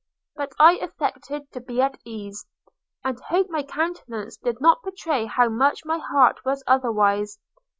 – But I affected to be at ease; and hope my countenance did not betray how much my heart was otherwise.